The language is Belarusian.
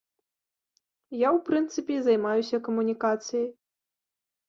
Я, у прынцыпе, і займаюся камунікацыяй.